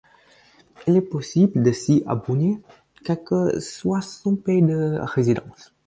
Il est possible de s'y abonner, quel que soit son pays de résidence.